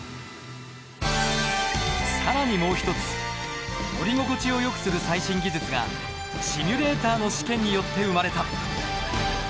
更にもう一つ乗り心地をよくする最新技術がシミュレーターの試験によって生まれた。